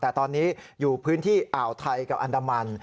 แต่ตอนนี้อยู่พื้นที่อ่าวไทยกับอันดามัน